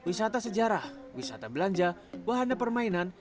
wisata sejarah wisata belanja wahana permainan